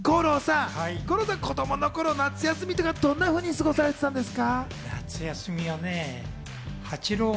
五郎さん、子供の頃、夏休みはどんなふうに過ごされてたんですか？